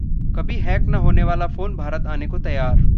कभी हैक न होने वाला फोन भारत आने को तैयार